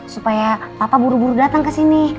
supaya papa buru buru datang ke sini